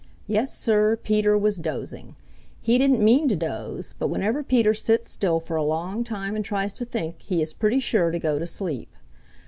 Yes, sir, Peter was dozing. He didn't mean to doze, but whenever Peter sits still for a long time and tries to think, he is pretty sure to go to sleep.